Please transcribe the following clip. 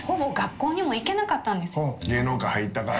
芸能界入ったから。